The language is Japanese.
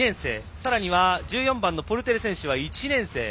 さらに、１４番のポルテレ選手は１年生。